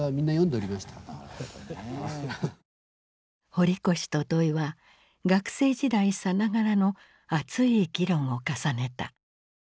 堀越と土井は学生時代さながらの熱い議論を重ねた。